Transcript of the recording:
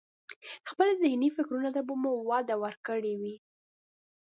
خپل ذهني فکرونو ته به مو وده ورکړي وي.